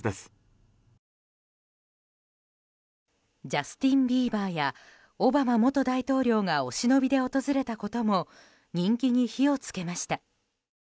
ジャスティン・ビーバーやオバマ元大統領がお忍びで訪れたことも人気に火をつけました。